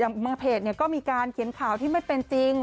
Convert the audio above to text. บางเพจก็มีการเขียนข่าวที่ไม่เป็นจริง